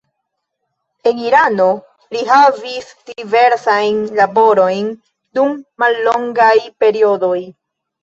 En Irano li havis diversajn laborojn dum mallongaj periodoj.